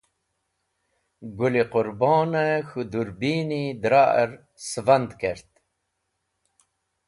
Gũl-e Qũrbone k̃hũ dũrbini dra’r sivand kert.